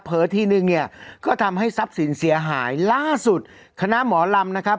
ทีนึงเนี่ยก็ทำให้ทรัพย์สินเสียหายล่าสุดคณะหมอลำนะครับ